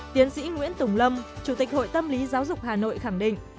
tiến sĩ nguyễn tùng lâm chủ tịch hội tâm lý giáo dục hà nội khẳng định